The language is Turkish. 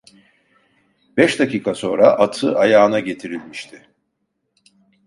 Beş dakika sonra atı ayağına getirilmişti.